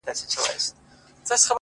ټولو په لپو کي سندرې!! دې ټپه راوړې!!